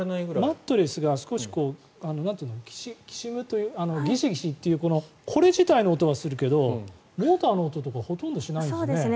マットレスが少しきしむというかギシギシというかこれ自体の音はするけどモーターの音とかほとんどしないもんね。